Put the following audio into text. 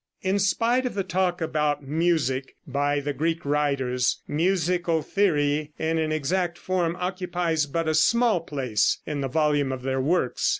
In spite of the talk about music by the Greek writers, musical theory, in an exact form, occupies but a small place in the volume of their works.